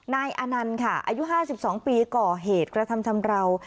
นายอนันต์ค่ะอายุ๕๒ปีก่อเหตุกระทำชำราว